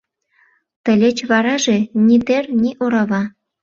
Тылеч вараже ни тер, ни орава.